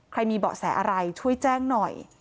ใครมีบอกแสอะไรช่วยแจ้งหน่อย